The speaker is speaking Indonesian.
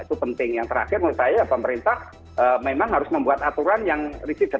itu penting yang terakhir menurut saya pemerintah memang harus membuat aturan yang detail betul gitu ya